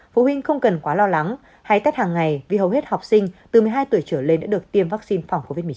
phụ huynh không cần quá lo lắng hãy test hàng ngày vì hầu hết học sinh từ một mươi hai tuổi trở lên đã được tiêm vắc xin phòng covid một mươi chín